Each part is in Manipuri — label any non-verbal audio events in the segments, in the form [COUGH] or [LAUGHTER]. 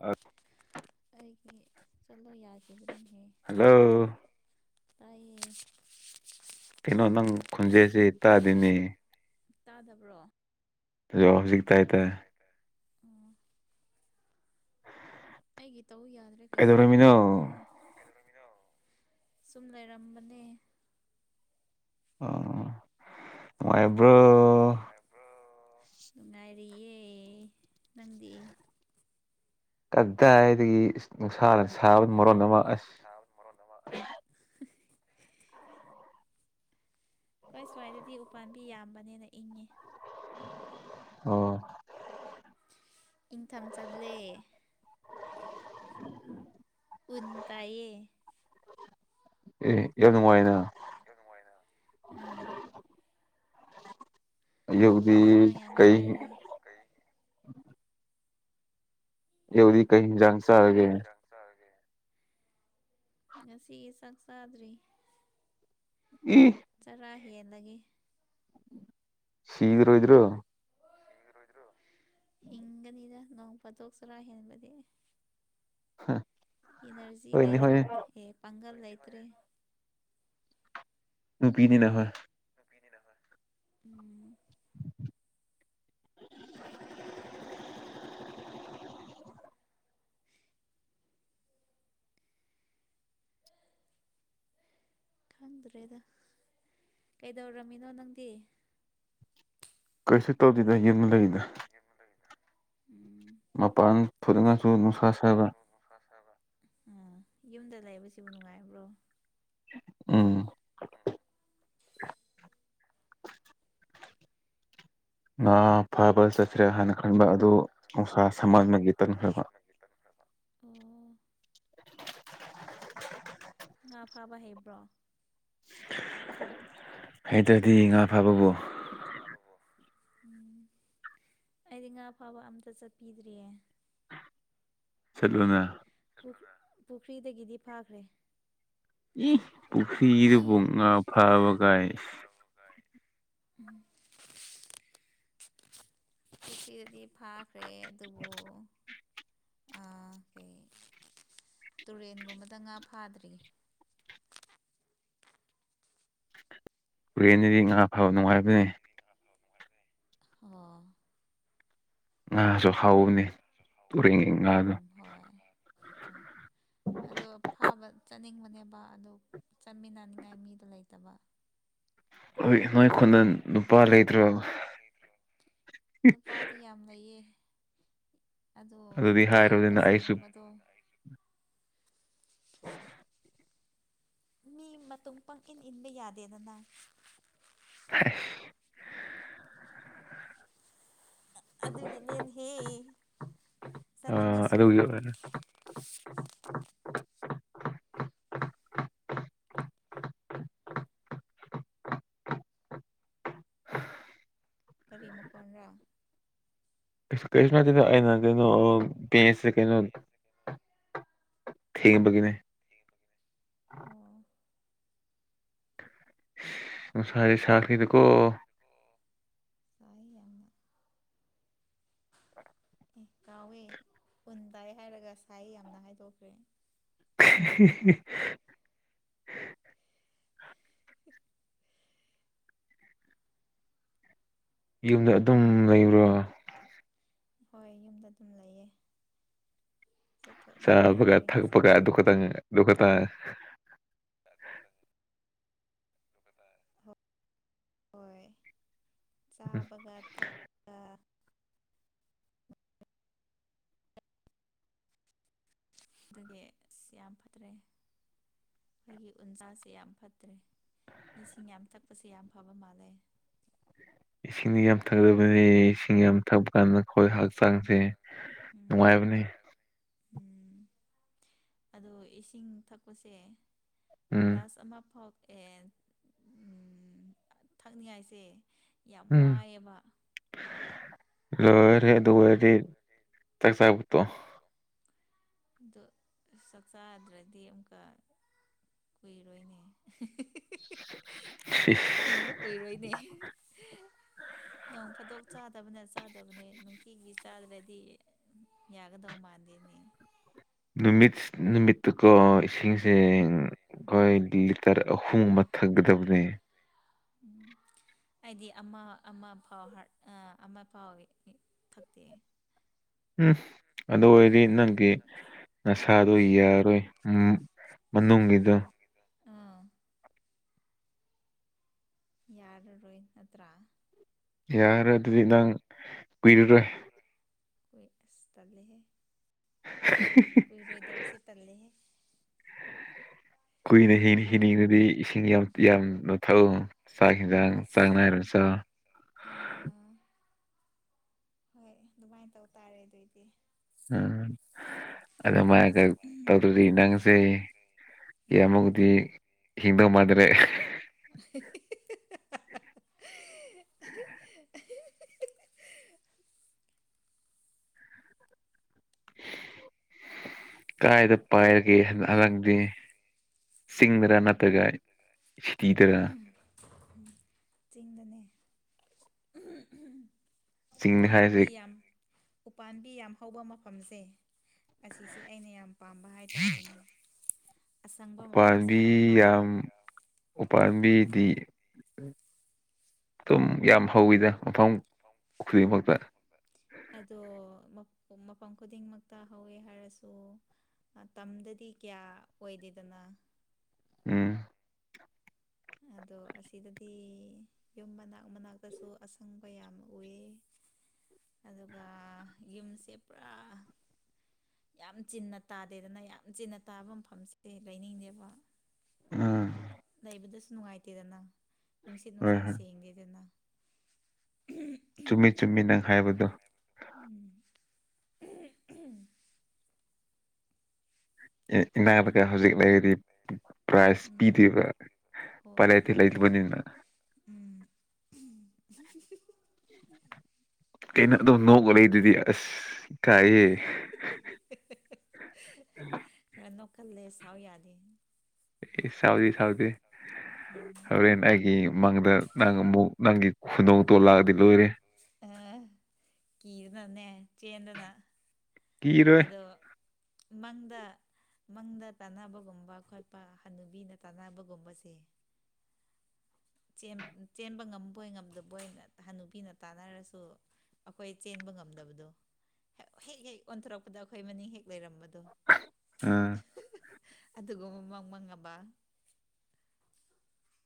ꯑ ꯑꯩꯒꯤ ꯆꯂꯣ ꯌꯥꯈꯤꯗ꯭ꯔꯦꯟꯍꯦ ꯍꯜꯂꯣ ꯇꯥꯏꯌꯦ ꯀꯩꯅꯣ ꯅꯪ ꯈꯨꯨꯟꯖꯦꯁꯦ ꯇꯥꯗꯕ꯭ꯔꯣ [UNINTELLIGIBLE] ꯇꯥꯏ ꯇꯥꯏ ꯎꯝ ꯑꯩꯒꯤ ꯇꯧ ꯌꯥꯗ꯭ꯔꯦ ꯀꯩꯗꯧꯕꯅꯣ ꯀꯩꯗꯧꯔꯝꯃꯤꯅꯣ ꯈꯪꯗꯦꯍꯦ ꯀꯩꯗꯧꯔꯝꯃꯤꯅꯣ ꯆꯨꯝ ꯂꯩꯔꯝꯕꯅꯦ ꯑꯣ ꯅꯨꯉꯥꯏꯕ꯭ꯔꯣ ꯉꯥꯏꯕ꯭ꯔꯣ ꯅꯨꯡꯉꯥꯏꯔꯤꯌꯦ ꯅꯪꯗꯤ ꯀꯗꯥꯏ ꯗꯒꯤ ꯏꯁ ꯅꯨꯡꯁꯥꯅ ꯁꯥꯕ ꯃꯔꯣꯟ ꯑꯃ ꯑꯁ ꯃꯔꯣꯟ ꯑꯃ ꯑꯁ [UNINTELLIGIBLE] ꯑꯩꯈꯣꯏ ꯁꯨꯋꯥꯏꯗꯗꯤ ꯎꯄꯥꯟꯕꯤ ꯌꯥꯝꯕꯅꯦꯅ ꯏꯪꯉꯦ ꯑꯣ ꯏꯪꯊꯝ ꯆꯜꯂꯦ ꯎꯟ ꯇꯥꯏꯌꯦ ꯑꯦ ꯌꯥꯝ ꯅꯨꯡꯉꯥꯏꯅ ꯑꯦ ꯌꯥꯝ ꯅꯨꯉꯥꯏꯅ ꯎꯟ ꯑꯗꯨꯕꯨꯗꯤ ꯃꯔꯥꯡ ꯌꯥꯝ ꯀꯩ ꯀꯥꯏꯔꯦ ꯌꯩꯗꯤ ꯀꯩ ꯍꯤꯟꯖꯥꯡ ꯆꯥꯔꯒꯦ ꯆꯔꯒꯦ ꯉꯁꯤꯒꯤ ꯆꯥꯛ ꯆꯥꯗ꯭ꯔꯤ ꯏ ꯆꯔꯥ ꯍꯦꯟꯂꯒꯦ ꯁꯤꯈꯤꯔꯣꯏ ꯗꯣ ꯏꯔꯣꯏꯗ꯭ꯔꯣ ꯍꯤꯡꯒꯅꯤꯗ ꯅꯣꯡ ꯐꯥꯗꯣꯛꯆꯔꯥ ꯍꯦꯟꯕꯗꯤ ꯍꯥ ꯏꯅ꯭ꯔꯖꯤ ꯂꯩꯇ꯭ꯔꯦ ꯑꯦ ꯄꯥꯡꯒꯜ ꯂꯩꯇ꯭ꯔꯦ ꯅꯨꯄꯤꯅꯤꯅ ꯍꯣꯏ ꯅꯨꯄꯤꯅꯤꯅ ꯍꯣꯏ ꯎꯝ ꯈꯪꯗ꯭ꯔꯦꯗ ꯀꯩꯗꯧꯔꯝꯃꯤꯅꯣ ꯅꯪꯗꯤ ꯀꯩꯁꯨ ꯇꯧꯗꯦꯗ ꯌꯨꯝ ꯂꯩꯗ ꯌꯨꯝ ꯂꯩꯗ ꯃꯄꯥꯟ ꯊꯣꯅꯤꯡꯁꯨ ꯅꯨꯡꯁꯥ ꯁꯥꯕ ꯎꯅꯨꯡꯁꯥ ꯁꯥꯕ ꯎꯝ ꯌꯨꯝꯗ ꯂꯩꯕꯁꯤꯕꯨ ꯅꯨꯡꯉꯥꯏꯕ꯭ꯔꯣ ꯎꯝ ꯉꯥ ꯐꯥꯕ ꯆꯠꯈ꯭ꯔꯦ ꯍꯥꯏꯅ ꯈꯟꯕ ꯑꯗꯨ ꯅꯨꯡꯁꯥ ꯁꯃꯟꯕꯒꯤ ꯇꯟꯈ꯭ꯔꯕ ꯕꯒꯤ ꯇꯟꯈ꯭ꯔꯕ ꯉꯥ ꯐꯥꯕ ꯍꯩꯕ꯭ꯔꯣ [INAUDIBLE] ꯍꯩꯇ꯭ꯔꯗꯤ ꯉꯥ ꯐꯥꯕꯕꯨ ꯍꯩꯇ꯭ꯔꯗꯤ ꯉꯥ ꯐꯕꯕꯨ ꯎꯝ ꯑꯩꯗꯤ ꯉꯥ ꯐꯥꯕ ꯑꯝꯇ ꯆꯠꯄꯤꯗ꯭ꯔꯤꯌꯦ ꯆꯠꯂꯨꯅ ꯆꯠꯂꯨꯅ ꯄꯨꯈ꯭ꯔꯤ ꯄꯨꯈ꯭ꯔꯤꯗꯒꯤꯗꯤ ꯐꯥꯈ꯭ꯔꯦ ꯏ ꯄꯨꯈ꯭ꯔꯤꯗꯕꯨꯡ ꯉꯥ ꯐꯥꯕꯒꯥꯌꯦ [UNINTELLIGIBLE] ꯄꯨꯈꯔ꯭ꯤꯗꯗꯤ ꯐꯥꯈ꯭ꯔꯦ ꯑꯗꯨꯕꯨ ꯑꯥ ꯀꯩ ꯇꯨꯔꯦꯟꯒꯨꯝꯕꯗ ꯉꯥ ꯐꯥꯗ꯭ꯔꯤ ꯇꯨꯔꯦꯟꯗꯗꯤ ꯉꯥ ꯐꯥꯕ ꯅꯨꯡꯉꯥꯏꯕꯅꯤ [UNINTELLIGIBLE] ꯑꯣ ꯉꯥꯁꯨ ꯍꯥꯎꯕꯅꯤ ꯎꯝ ꯍꯣꯏ ꯍꯣꯏ ꯑꯗꯣ ꯐꯥꯕ ꯆꯠꯅꯤꯡꯕꯅꯦꯕ ꯑꯗꯨ ꯆꯠꯃꯤꯟꯅꯅꯤꯡꯉꯥꯏ ꯃꯤꯗꯣ ꯂꯩꯇꯕ ꯍꯣꯏ ꯅꯣꯏ ꯈꯨꯅꯗ ꯅꯨꯄꯥ ꯂꯩꯇ꯭ꯔꯣ ꯅꯨꯄꯥꯗꯤ ꯌꯥꯝ ꯂꯩꯌꯦ ꯑꯗꯣ ꯑꯗꯨꯗꯤ ꯍꯥꯏꯔꯣꯗꯅ ꯑꯩꯁꯨ ꯏꯌꯥꯝꯕꯁꯤꯡꯒꯨꯝꯕꯗꯣ [INAUDIBLE] ꯃꯤ ꯃꯇꯨꯡ ꯄꯪꯏꯟ ꯏꯟꯕ ꯌꯥꯗꯦꯗꯅ [UNINTELLIGIBLE] ꯑꯗꯨꯒꯤꯅꯤꯅꯍꯦ ꯑꯥ ꯆꯠꯅꯤꯡꯉꯁꯨ ꯑꯗꯨꯒꯤ ꯀꯔꯤ ꯃꯈꯣꯟꯔ [UNINTELLIGIBLE] ꯊꯦꯡꯕꯒꯤꯅꯦ ꯑꯣ ꯅꯨꯡꯁꯥꯁꯤ ꯁꯥꯈꯔꯦꯗꯀꯣ ꯌꯥꯥꯏ ꯌꯥꯝꯅ ꯑꯦ ꯀꯥꯎꯋꯦ ꯄꯨꯟ ꯄꯥꯏ ꯍꯥꯏꯔꯒ ꯁꯥꯏꯌꯦ ꯌꯥꯝꯅ ꯍꯥꯏꯗꯣꯛꯈ꯭ꯔꯦ [UNINTELLIGIBLE] ꯌꯨꯝꯗ ꯑꯗꯨꯝ ꯂꯩꯕ꯭ꯔꯣ ꯍꯣꯏ ꯌꯨꯝꯗ ꯑꯗꯨꯝ ꯂꯩꯌꯦ ꯆꯠꯊꯣꯛꯅꯤꯡꯉꯥꯏ ꯆꯥꯕꯒ ꯂꯩꯇ꯭ꯔꯦ ꯊꯛꯄꯒ ꯉꯁꯤꯗꯤ ꯑꯗꯨꯈꯇꯪ ꯑꯗꯨꯒꯠꯇ [UNINTELLIGIBLE] ꯍꯣꯏ ꯆꯥꯕꯒ ꯊꯛꯄꯒ ꯗꯨꯒꯤ ꯑꯁ ꯌꯥꯝ ꯐꯠꯇ꯭ꯔꯦ ꯑꯩꯒꯤ ꯎꯟꯖꯥꯁꯤ ꯌꯥꯝ ꯐꯠꯇ꯭ꯔꯦ ꯏꯁꯤꯡ ꯌꯥꯝ ꯊꯛꯄꯁꯦ ꯌꯥꯝ ꯐꯕ ꯃꯥꯜꯂꯦ ꯏꯁꯤꯡꯗꯤ ꯌꯥꯝ ꯊꯛꯂꯕꯗꯤ ꯏꯁꯤꯡ ꯌꯥꯝ ꯊꯛꯄ ꯀꯥꯟꯗ ꯑꯈꯣꯏ ꯍꯛꯆꯥꯡꯁꯦ ꯎꯝ ꯅꯨꯡꯉꯥꯏꯕꯅꯦ ꯎꯝ ꯑꯗꯣ ꯏꯁꯤꯡ ꯊꯛꯄꯁꯦ ꯎꯝ ꯒ꯭ꯂꯥꯁ ꯑꯃ ꯐꯥꯎ ꯎꯝ ꯊꯛꯅꯤꯡꯉꯥꯏꯁꯦ ꯌꯥꯝ ꯎꯝ ꯋꯥꯏꯌꯦꯕ ꯂꯣꯏꯔꯦ ꯑꯗꯨꯑꯣꯏꯔꯗꯤ ꯆꯥꯛ ꯆꯥꯕ ꯇꯣꯛꯑꯣ ꯑꯗꯣ ꯆꯥꯛ ꯆꯥꯗ꯭ꯔꯗꯤ ꯑꯃꯨꯛꯀ ꯀꯨꯏꯔꯣꯏꯅꯦ ꯍꯤꯡꯕ ꯀꯨꯏꯔꯣꯏꯅꯦ ꯅꯣꯡ ꯐꯥꯗꯣꯛ ꯆꯥꯗꯕꯅ ꯆꯥꯗꯕꯅꯦ ꯅꯨꯡꯇꯤꯒꯤ ꯆꯥꯗ꯭ꯔꯗꯤ ꯌꯥꯒꯗꯧ ꯃꯥꯟꯗꯦꯅꯦ ꯅꯨꯃꯤꯠ ꯅꯨꯃꯤꯠꯇꯀꯣ ꯏꯁꯤꯡꯁꯦ ꯎꯝ ꯎꯝ ꯑꯈꯣꯏꯗꯤ ꯂꯤꯇꯔ ꯑꯍꯨꯝ ꯊꯛꯒꯗꯕꯅꯦ [UNINTELLIGIBLE] ꯑꯩꯗꯤ ꯑꯃ ꯑꯃ ꯐꯥꯎ ꯍꯥꯔꯠ ꯑꯃ ꯐꯥꯎ ꯊꯛꯇꯦ ꯎꯝ ꯑꯗꯨ ꯑꯣꯏꯔꯗꯤ ꯅꯪꯒꯤ ꯅꯁꯥꯗꯣ ꯌꯥꯔꯣꯏ ꯎꯝ ꯃꯅꯨꯡꯒꯤꯗꯣ ꯑꯥ ꯌꯥꯔꯔꯣꯏ ꯅꯠꯇ꯭ꯔꯥ ꯌꯥꯔꯣꯏ ꯑꯗꯨꯗꯤ ꯅꯪ ꯀꯨꯏꯔꯔꯣꯏ ꯍꯨꯏ ꯑꯁ ꯇꯜꯂꯦꯍꯦ ꯀꯨꯏꯔꯣꯏꯗꯕꯁꯦ ꯇꯜꯂꯦꯍꯦ ꯀꯨꯏꯅ ꯍꯤꯟ ꯍꯤꯅꯤꯡꯉꯥꯗꯤ ꯏꯁꯤꯡ ꯌꯥꯝ ꯌꯥꯝ ꯂꯣꯊꯧ ꯆꯥꯛ ꯍꯦꯟꯖꯥꯡ ꯆꯥꯡ ꯑꯁ ꯅꯥꯏꯅ ꯆꯥ ꯑꯥ ꯍꯣꯏ ꯑꯗꯨꯃꯥꯏꯟ ꯇꯧ ꯇꯥꯔꯦ ꯑꯗꯣꯏꯗꯤ ꯎꯝ ꯑꯗꯨꯃꯥꯏꯅꯒ ꯇꯧꯗ꯭ꯔꯗꯤ ꯅꯪꯁꯦ ꯎꯝ ꯀꯌꯥꯃꯨꯛꯗꯤ ꯍꯤꯡꯗꯧ ꯃꯥꯟꯗꯔꯦ [UNINTELLIGIBLE] ꯀꯥꯏꯗ ꯄꯥꯏꯔꯒꯦ ꯍꯜ ꯑꯉꯥꯡꯗꯤ ꯆꯤꯡꯗꯥꯔ ꯅꯠꯇ꯭ꯔꯒ ꯁꯤꯇꯤꯗꯥꯔ ꯆꯤꯡꯗꯅꯦ ꯆꯤꯡ ꯍꯥꯏꯁꯦ ꯎꯄꯥꯟꯕꯤ ꯌꯥꯝ ꯎꯄꯥꯝꯕꯤ ꯌꯥꯝ ꯍꯧꯕ ꯃꯐꯝꯁꯦ ꯑꯁꯤꯁꯦ ꯑꯩꯅ ꯌꯥꯝ ꯄꯥꯝꯕ ꯍꯥꯏꯇꯥꯔꯦꯅꯦ ꯑꯁꯪꯕ ꯃꯐꯝꯁꯦ ꯌꯥꯝ ꯄꯥꯝꯕ ꯎꯄꯥꯝꯕꯤꯗꯤ [UNINTELLIGIBLE] ꯑꯗꯨꯝ ꯌꯥꯝ ꯍꯧꯋꯤꯗ ꯃꯐꯝ ꯈꯨꯗꯤꯡꯃꯛꯇ ꯑꯗꯣ ꯃꯐꯝ ꯃꯐꯝ ꯈꯨꯗꯤꯡꯃꯛꯇ ꯍꯧꯋꯦ ꯍꯥꯏꯔꯁꯨ ꯑ ꯇꯝꯗꯗꯤ ꯀꯌꯥ ꯑꯣꯏꯗꯦꯗꯅ ꯎꯝ ꯑꯗꯣ ꯑꯁꯤꯗꯗꯤ ꯌꯨꯝ ꯃꯅꯥꯛ ꯃꯅꯥꯛꯇꯁꯨ ꯑꯁꯪꯕ ꯌꯥꯝ ꯎꯋꯦ ꯑꯗꯨꯒ ꯌꯨꯝꯁꯦ ꯄꯨꯔꯥ ꯌꯥꯝ ꯆꯤꯟꯅ ꯇꯥꯗꯦꯗꯅ ꯌꯥꯝ ꯆꯤꯟꯅ ꯇꯥꯕ ꯃꯐꯝꯁꯦ ꯂꯩꯅꯤꯡꯗꯦꯕ ꯎꯝ ꯂꯩꯕꯗꯁꯨ ꯅꯨꯡꯉꯥꯏꯇꯦꯗꯅ ꯅꯨꯡꯁꯤꯠ ꯍꯣꯏ ꯅꯨꯡꯁꯥ ꯍꯣꯏ ꯁꯦꯡꯗꯦꯗꯅ ꯎꯝ ꯆꯨꯝꯃꯤ ꯆꯨꯝꯃꯤ ꯅꯪ ꯍꯥꯏꯕꯗꯣ ꯎꯝ ꯑꯦ ꯏꯅꯥꯕꯀ ꯍꯧꯖꯤꯛ ꯂꯩꯔꯗꯤ ꯄ꯭ꯔꯥꯏꯖ ꯎꯝ ꯄꯤꯗꯦꯕ ꯍꯣꯏ [UNINTELLIGIBLE] ꯎꯝ ꯀꯩꯅꯣ ꯑꯗꯨꯝ ꯅꯣꯛꯑꯒ ꯂꯩꯗꯨꯗꯤ ꯑꯁ ꯏꯀꯥꯏꯌꯦ ꯈꯔ ꯅꯣꯛꯀꯜꯂꯦ ꯁꯥꯥꯎ ꯌꯥꯗꯦ ꯑꯦ ꯁꯥꯎꯗꯦ ꯁꯥꯎꯗꯦ ꯎꯝ ꯍꯣꯔꯦꯟ ꯑꯩꯒꯤ ꯃꯪꯗ ꯅꯪ ꯑꯃꯨꯛ ꯅꯪꯒꯤ ꯈꯨꯅꯣꯛꯇꯣ ꯂꯥꯛꯑꯗꯤ ꯂꯣꯏꯔꯦ ꯑ ꯀꯤꯗꯅꯅꯦ ꯆꯦꯟꯗꯅ ꯀꯤꯔꯣꯏ ꯑꯗꯣ ꯃꯪꯗ ꯃꯪꯗ ꯇꯥꯟꯅꯕꯒꯨꯝꯕ ꯈꯣꯠꯄ ꯍꯅꯨꯕꯤꯅ ꯇꯥꯟꯅꯕꯒꯨꯝꯕꯁꯦ ꯆꯦꯝ ꯆꯦꯟꯕ ꯉꯝꯕꯣꯏ ꯉꯝꯗꯕꯣꯏꯅ ꯍꯟꯅꯨꯕꯤꯅ ꯇꯥꯟꯅꯔꯁꯨ ꯑꯩꯈꯣꯏ ꯆꯦꯟꯕ ꯉꯝꯗꯕꯗꯣ ꯍꯦꯛ ꯍꯦꯛ ꯑꯣꯟꯊꯣꯔꯛꯄꯗ ꯑꯩꯈꯣꯏ ꯃꯅꯤꯡ ꯍꯦꯛ ꯂꯩꯔꯝꯕꯗꯣ ꯎꯝ ꯑꯗꯨꯒ ꯃꯪ ꯃꯪꯉꯕ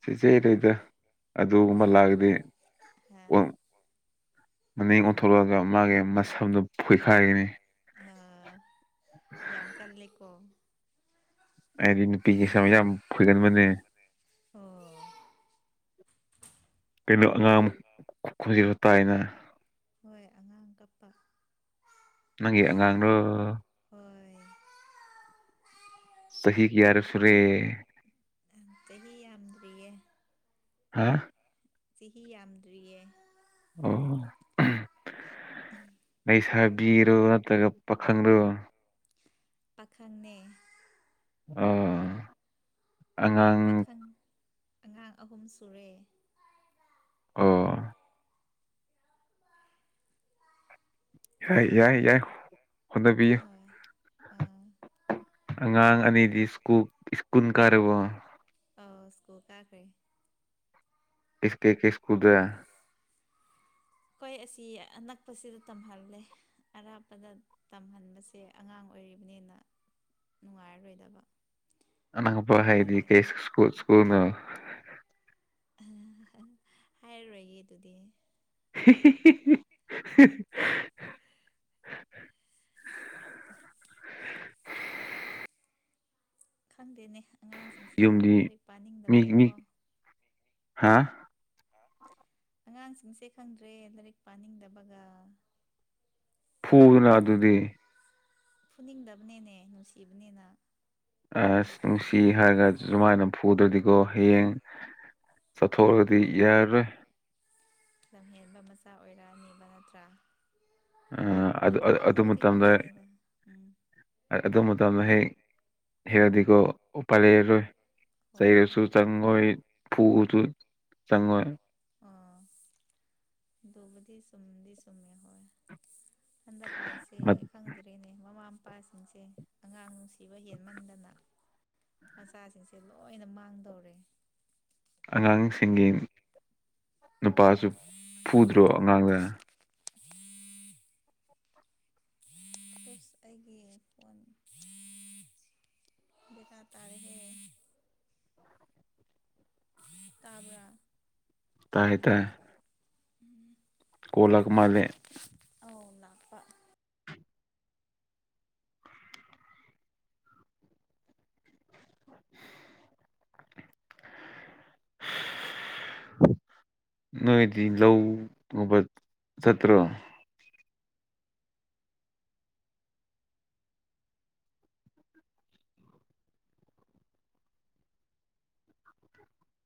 ꯆꯤꯆꯦꯔꯤꯗ ꯑꯗꯨꯒꯨꯝꯕ ꯂꯥꯛꯑꯗꯤ ꯑ ꯋꯪ ꯃꯅꯦꯝꯕꯣꯛ ꯊꯣꯛꯂꯛꯑꯒ ꯃꯥꯒꯤ ꯃꯁꯝꯗꯨ ꯐꯣꯏꯈꯥꯏꯒꯅꯤ ꯑꯥ ꯌꯥꯝ ꯀꯜꯂꯤꯀꯣ ꯑꯩꯗꯤ ꯅꯨꯄꯤꯒꯤ ꯁꯝ ꯌꯥꯝ ꯐꯣꯏꯒꯟꯕꯅꯦ ꯑꯣ ꯀꯩꯅꯣ ꯑꯉꯥꯡ ꯈꯣꯟꯖꯤꯦꯜꯁꯨ ꯇꯥꯏꯅ ꯍꯣꯏ ꯑꯉꯥꯡ ꯀꯞꯄ ꯅꯪꯒꯤ ꯑꯉꯥꯡꯔꯣ ꯍꯣꯏ ꯆꯍꯤ ꯀꯌꯥꯔꯛ ꯐꯔꯦ ꯆꯍꯤ ꯌꯥꯝꯗ꯭ꯔꯤꯌꯦ ꯍꯥ ꯆꯍꯤ ꯌꯥꯝꯗ꯭ꯔꯤꯌꯦ ꯑꯣ ꯂꯩꯁꯥꯕꯤꯔꯣ ꯅꯠꯇ꯭ꯔꯒ ꯄꯥꯈꯪꯔꯣ ꯄꯥꯈꯪꯅꯦ ꯑꯥ ꯄꯥꯈꯪ ꯑꯉꯥꯡ ꯑꯍꯨꯝ ꯁꯨꯔꯦ ꯑꯣ [UNINTELLIGIBLE] ꯌꯥꯏ ꯌꯥꯏ ꯌꯥꯏ ꯍꯣꯠꯅꯕꯤꯌꯨ ꯍꯣꯏ ꯑꯥ ꯑꯉꯥꯡ ꯑꯅꯤꯗꯤ ꯏꯁꯀꯨꯜ ꯏꯁꯀꯨꯟ ꯀꯥꯔꯤꯕꯣ ꯑꯧ ꯏꯁ꯭ꯀꯨꯜ ꯀꯥꯈ꯭ꯔꯦ ꯏꯁ ꯀꯩ ꯀꯩ ꯏꯁ꯭ꯀꯨꯜꯗ ꯑꯩꯈꯣꯏ ꯑꯁꯤ ꯑꯅꯛꯄꯁꯤꯗ ꯇꯝꯍꯜꯂꯦ ꯑꯔꯥꯞꯄꯗ ꯇꯝꯍꯟꯕꯁꯦ ꯑꯉꯥꯡ ꯑꯣꯏꯔꯤꯕꯅꯤꯅ ꯅꯨꯡꯉꯥꯏꯔꯔꯣꯏꯗꯕ ꯑꯅꯛꯄ ꯍꯥꯏꯗꯤ ꯑꯗꯨꯒꯤ ꯀꯩꯨ ꯏꯁꯀꯨꯜ ꯏꯁꯀꯨꯜꯅꯣ ꯑꯝ ꯍꯝ ꯍꯥꯏꯔꯔꯣꯏꯒꯦ ꯑꯗꯨꯗꯤ [UNINTELLIGIBLE] [INAUDIBLE] ꯈꯪꯗꯦꯅꯦ ꯑꯉꯥꯡꯁꯤꯡꯁꯦ ꯌꯨꯝꯗꯤ ꯂꯥꯏꯔꯤꯛ ꯄꯥꯅꯤꯡꯗꯕꯒꯀꯣ ꯍꯥꯥ ꯑꯉꯥꯡꯁꯤꯡꯁꯦ ꯈꯪꯗ꯭ꯔꯦ ꯂꯥꯏꯔꯤꯛ ꯄꯥꯅꯤꯡꯗꯕꯒ ꯐꯨꯗꯅ ꯑꯗꯨꯗꯤ ꯐꯨꯅꯤꯡꯗꯕꯅꯤꯅꯦ ꯅꯨꯡꯁꯤꯕꯅꯤꯅ ꯑꯁ ꯅꯨꯡꯁꯤ ꯍꯥꯏꯔꯒ ꯁꯨꯃꯥꯏꯅ ꯐꯨꯗ꯭ꯔꯗꯤꯀꯣ ꯍꯌꯦꯡ ꯆꯠꯊꯣꯛꯑꯒꯗꯤ ꯌꯥꯔꯔꯣꯏ ꯂꯝꯍꯦꯟꯕ ꯃꯆꯥ ꯑꯣꯏꯔꯛꯑꯅꯦꯕ ꯅꯠꯇ꯭ꯔꯥ ꯑꯗꯨ ꯈꯪꯕꯨꯗꯤ ꯈꯪꯉꯤꯅꯦ ꯑꯗꯨꯝ ꯎꯝ ꯑꯗꯨ ꯃꯇꯝꯗ ꯍꯦꯛ ꯍꯦꯜꯔꯗꯤꯀꯣ ꯎꯄꯥꯏ ꯂꯩꯔꯔꯣꯏ ꯑꯣ ꯆꯩꯔꯁꯨ ꯆꯪꯉꯣꯏ ꯐꯨꯕꯁꯨ ꯆꯪꯉꯣꯏ ꯑꯥ ꯑꯗꯨꯕꯗꯤ ꯆꯨꯝꯗꯤ ꯆꯨꯝꯃꯦ ꯍꯣꯏ ꯍꯟꯗꯛ ꯀꯥꯟꯁꯦ ꯈꯪꯗ꯭ꯔꯦꯅꯦ ꯃꯃꯥ ꯄꯥꯁꯤꯡꯁꯦ ꯑꯉꯥꯡ ꯅꯨꯡꯁꯤꯕ ꯍꯦꯟꯃꯟꯗꯅ ꯃꯆꯥꯁꯤꯡꯁꯦ ꯂꯣꯏꯅ ꯃꯥꯡꯗꯧꯔꯦ ꯑꯉꯥꯡꯁꯤꯡꯒꯤ ꯅꯨꯄꯥꯁꯨ ꯐꯨꯗ꯭ꯔꯣ ꯑꯉꯥꯡꯗ ꯏꯁ ꯑꯩꯒꯤ ꯐꯣꯟ ꯕꯦꯔꯥ ꯇꯥꯏꯍꯦ ꯇꯥꯕꯔ ꯇꯥꯏ ꯇꯥꯏ ꯎꯝ ꯀꯣꯜ ꯂꯥꯛꯄ ꯃꯜꯂꯦ ꯑꯧ ꯂꯥꯛꯄ [INAUDIBLE] ꯅꯣꯏꯗꯤ ꯂꯧꯎꯕ ꯆꯠꯇ꯭ꯔꯣ